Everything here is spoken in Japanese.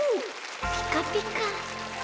ピカピカ！